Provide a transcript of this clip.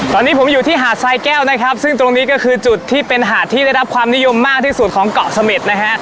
ตอนนี้ผมอยู่ที่หาดทรายแก้วนะครับซึ่งตรงนี้ก็คือจุดที่เป็นหาดที่ได้รับความนิยมมากที่สุดของเกาะเสม็ดนะฮะ